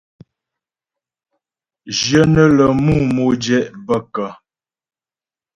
Jyə nə́ lə mú modjɛ' bə kə́ ?